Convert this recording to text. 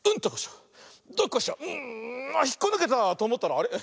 うん。あっひっこぬけた！とおもったらあれ？